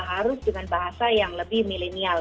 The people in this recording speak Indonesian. harus dengan bahasa yang lebih milenial